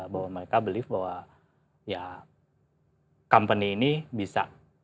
bahwa mereka believe bahwa ya company ini bisa